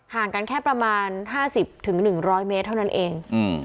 ห่างกันแค่ประมาณ๕๐๑๐๐เมตรเท่านั้นเอง